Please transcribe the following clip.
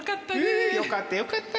ふよかったよかった。